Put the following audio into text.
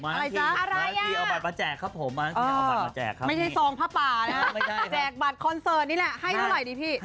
อะไรจักอะไรอ่ะไม่ใช่ทรงพระป่านะแจกบัตรคอนเซิร์ตนี่แหละให้เวลาไหร่ดีพี่